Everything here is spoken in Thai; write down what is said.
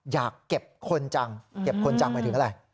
อยากเก็บคนจังเก็บคนจังหมายถึงอะไร